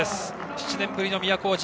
７年ぶりの都大路。